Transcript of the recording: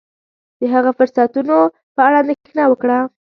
د هغه فرصتونو په اړه اندېښنه وکړه.